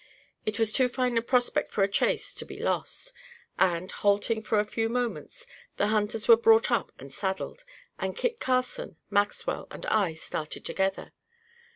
It was too fine a prospect for a chase to be lost; and, halting for a few moments, the hunters were brought up and saddled, and Kit Carson, Maxwell and I started together.